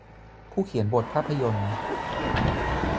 ผู้เขียนบทภาพยนตร์